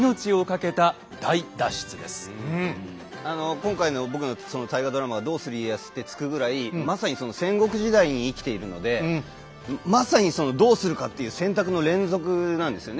今回の僕のその大河ドラマが「どうする家康」って付くぐらいまさにその戦国時代に生きているのでまさにそのどうするかっていう選択の連続なんですよね